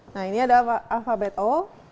nah ini ada alfabet o